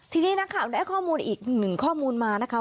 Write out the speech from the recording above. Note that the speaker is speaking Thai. ทีนี้นะครับได้ข้อมูลอีก๑ข้อมูลมานะคะ